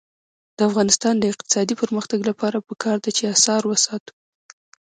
د افغانستان د اقتصادي پرمختګ لپاره پکار ده چې اثار وساتو.